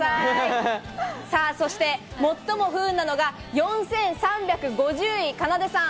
そして、最も不運なのが４３５０位かなでさん。